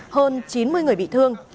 hơn chín mươi người bị thương